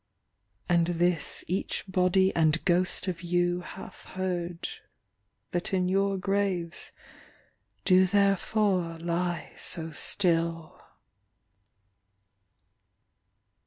And this each body and ghost of you hath heard That in your graves do therefore lie so still.